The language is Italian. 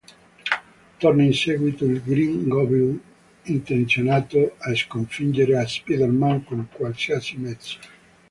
Torna in seguito il Green Goblin, intenzionato a sconfiggere Spider-Man con qualsiasi mezzo.